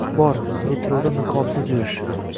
- Bor. Metroda niqobsiz yurish!